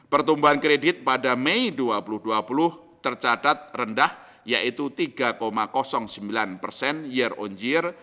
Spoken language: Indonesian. pertumbuhan kredit pada mei dua ribu dua puluh tercatat rendah yaitu tiga sembilan persen year on year